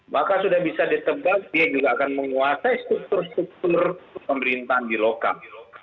maka sudah bisa ditebak dia juga akan menguasai struktur struktur pemerintahan di lokal